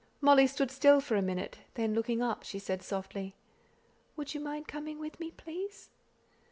Molly stood still for a minute, then, looking up, she said, softly, "Would you mind coming with me, please?"